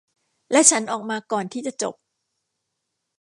และฉันออกมาก่อนที่จะจบ